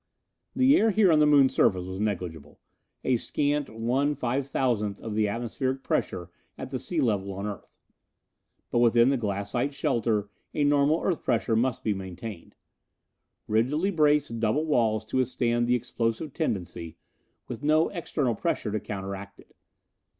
The air here on the Moon surface was negligible a scant one five thousandth of the atmospheric pressure at the sea level on Earth. But within the glassite shelter, a normal Earth pressure must be maintained. Rigidly braced double walls to withstand the explosive tendency, with no external pressure to counteract it.